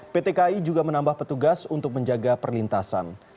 pt kai juga menambah petugas untuk menjaga perlintasan